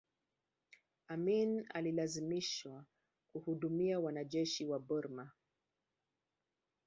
amin alilazimishwa kuhudumia wanajeshi wa burma